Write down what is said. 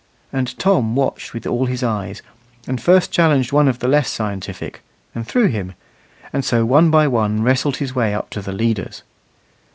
And Tom watched with all his eyes, and first challenged one of the less scientific, and threw him; and so one by one wrestled his way up to the leaders.